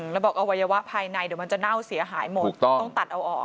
แล้วบอกอวัยวะภายในเดี๋ยวมันจะเน่าเสียหายหมดต้องตัดเอาออก